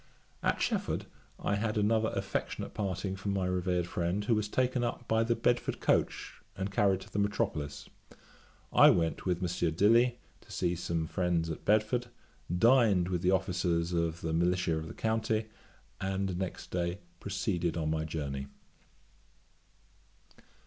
At Shefford I had another affectionate parting from my revered friend, who was taken up by the Bedford coach and carried to the metropolis. I went with Messieurs Dilly, to see some friends at Bedford; dined with the officers of the militia of the county, and next day proceeded on my journey.